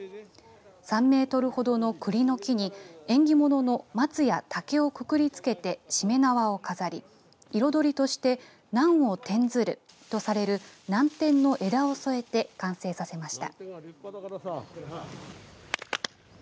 ３メートルほどのくりの木に縁起物の松や竹をくくりつけてしめ縄を飾り彩りとして難を転ずるとされるナンテンの枝を添えて完成させました。